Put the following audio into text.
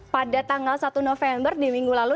pada tanggal satu november di minggu lalu